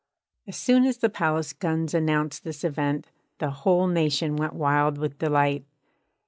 As soon as the palace guns announced this event, the whole nation went wild with delight.